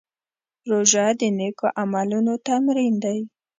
روژه د نېکو عملونو تمرین دی.